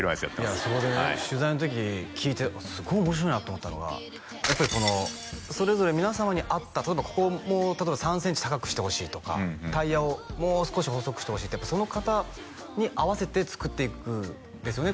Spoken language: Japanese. いやそこでね取材の時聞いてすごい面白いなと思ったのがやっぱりそれぞれ皆様に合ったここをもう例えば３センチ高くしてほしいとかタイヤをもう少し細くしてほしいってやっぱその方に合わせて作っていくんですよね